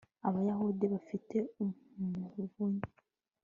abayahudi bafite umuvunyi